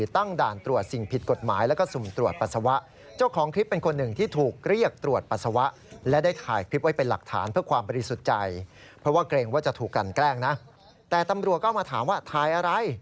ตำรวจก็มาถามว่าถ่ายอะไร